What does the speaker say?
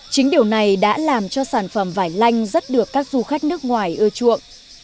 chính điều này đã làm cho sản phẩm vải lanh rất được các du khách nước ngoài ưa chuộng